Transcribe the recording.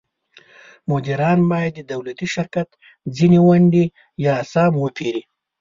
مدیران باید د دولتي شرکت ځینې ونډې یا اسهام وپیري.